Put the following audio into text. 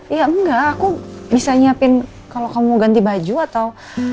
ya enggak aku bisa nyiapin kalau kamu ganti baju atau